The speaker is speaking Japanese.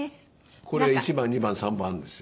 これ１番２番３番あるんですよ。